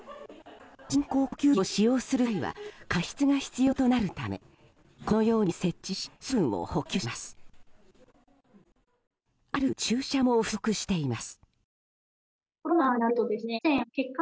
人工呼吸器を使用する際は加湿が必要となるためこのように設置し水分を補給します。